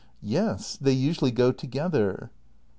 ] Yes, they usually go to gether.